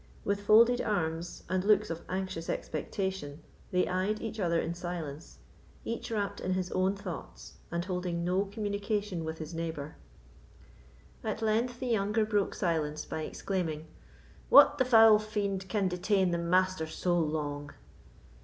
With folded arms, and looks of anxious expectation, they eyed each other in silence, each wrapt in his own thoughts, and holding no communication with his neighbour. At length the younger broke silence by exclaiming: "What the foul fiend can detain the Master so long?